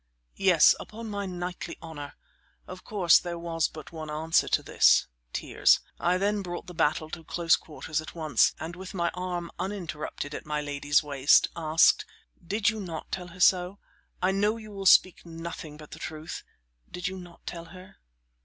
"Yes; upon my knightly honor." Of course there was but one answer to this tears. I then brought the battle to close quarters at once, and, with my arm uninterrupted at my lady's waist, asked: "Did you not tell her so? I know you will speak nothing but the truth. Did you not tell her?